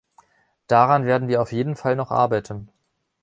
Daran werden wir auf jeden Fall noch arbeiten.